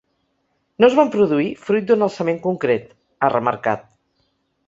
No es van produir fruit d’un alçament concret, ha remarcat.